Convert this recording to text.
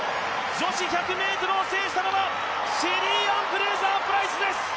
女子１００ｍを制したのはシェリーアン・フレイザー・プライスです。